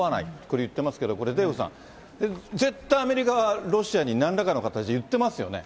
これ、言ってますけど、これデーブさん、絶対アメリカはロシアになんらかの形で言ってますよね？